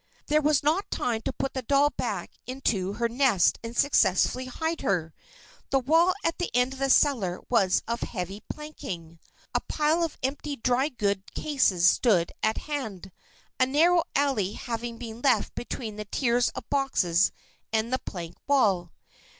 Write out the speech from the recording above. There was not time to put the doll back into her nest and successfully hide her. The wall at the end of the cellar was of heavy planking. A pile of empty dry goods cases stood at hand, a narrow alley having been left between the tiers of boxes and the plank wall.